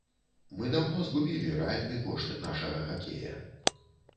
Мы даўно згубілі рэальны кошт нашага хакея.